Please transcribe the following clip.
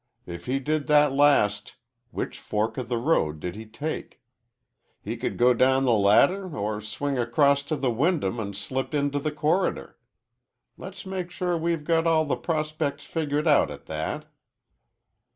If he did that last, which fork of the road did he take? He could go down the ladder or swing across to the Wyndham an' slip into the corridor. Let's make sure we've got all the prospects figured out at that."